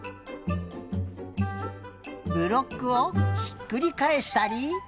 ブロックをひっくりかえしたり。